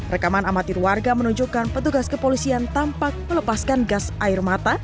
rekaman amatir warga menunjukkan petugas kepolisian tampak melepaskan gas air mata